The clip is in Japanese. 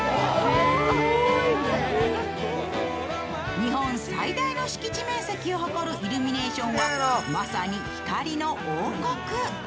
日本最大の敷地面積を誇るイルミネーションはまさに光の王国。